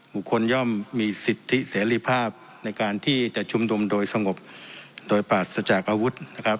บุคคลย่อมมีสิทธิเสรีภาพในการที่จะชุมนุมโดยสงบโดยปราศจากอาวุธนะครับ